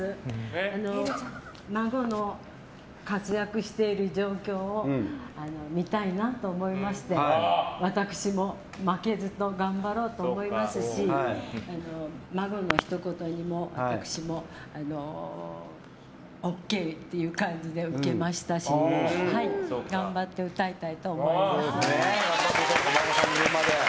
孫の活躍している状況を見たいなと思いまして私も負けずと頑張ろうと思いますし孫のひと言にも私もＯＫっていう感じで受けましたし頑張って歌いたいと思います。